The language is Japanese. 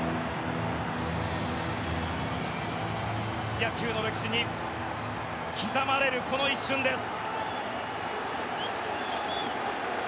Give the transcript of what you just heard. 野球の歴史に刻まれるこの一瞬です。